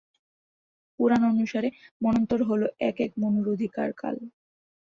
পুরাণ অনুসারে, মন্বন্তর হ'ল এক এক মনুর অধিকার-কাল।